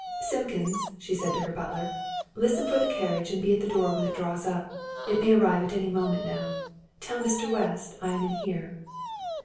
"Simpkins," she said to her butler, "listen for the carriage and be at the door when it draws up. It may arrive at any moment now. Tell Mr. West I am in here."